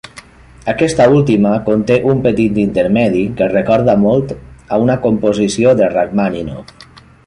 Aquesta última conté un petit intermedi que recorda molt a una composició de Rakhmàninov.